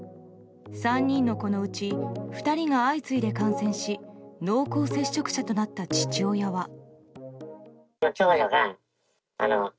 ３人の子のうち２人が相次いで感染し濃厚接触者となった父親は。